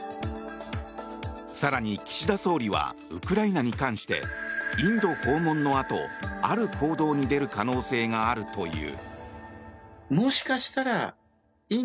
更に、岸田総理はウクライナに関してインド訪問のあと、ある行動に出る可能性があるという。